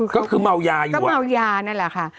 ก็คือเมายาอยู่ก็เมายานั่นแหละค่ะ